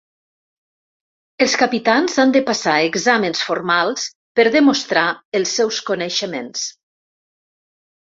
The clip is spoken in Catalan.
Els capitans han de passar exàmens formals per demostrar els seus coneixements.